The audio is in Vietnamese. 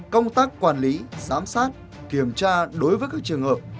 công tác quản lý giám sát kiểm tra đối với các trường hợp